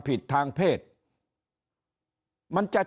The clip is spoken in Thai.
ถ้าท่านผู้ชมติดตามข่าวสาร